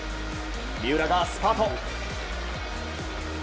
三浦がスパート。